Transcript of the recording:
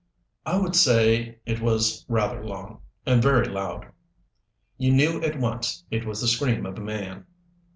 "I would say it was rather long and very loud." "You knew at once it was the scream of a man?"